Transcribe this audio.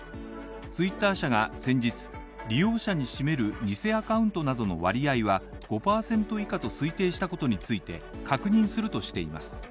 ツイッター社が先日、利用者に占める偽アカウントなどの割合は５％以下と推定したことについて確認するとしています。